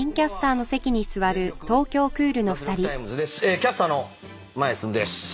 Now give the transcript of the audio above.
キャスターの前すすむです。